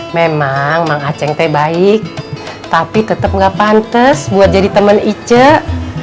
memang mang aceng teh baik tapi tetep gak pantes buat jadi temen icet